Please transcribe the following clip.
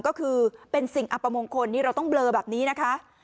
ก็คือเป็นสิ่งอัปมงคลนี่เราต้องเบลอแบบนี้นะคะ